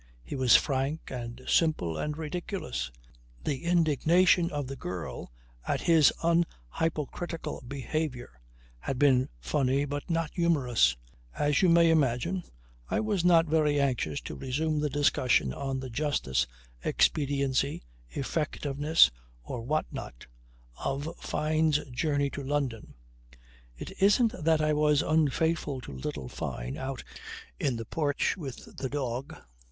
He was frank and simple and ridiculous. The indignation of the girl at his unhypocritical behaviour had been funny but not humorous. As you may imagine I was not very anxious to resume the discussion on the justice, expediency, effectiveness or what not, of Fyne's journey to London. It isn't that I was unfaithful to little Fyne out in the porch with the dog.